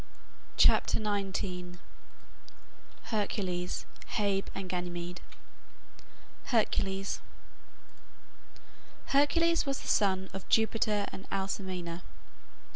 CHAPTER XIX HERCULES HEBE AND GANYMEDE HERCULES Hercules was the son of Jupiter and Alcmena.